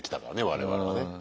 我々はね。